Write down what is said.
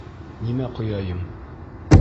Нимә ҡояйым?